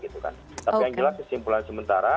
tapi yang jelas kesimpulan sementara